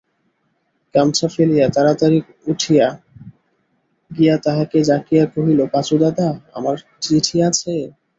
গামছা ফেলিয়া তাড়াতাড়ি উঠিয়া গিয়া তাহাকে ডাকিয়া কহিল, পাঁচুদাদা, আমার চিঠি আছে?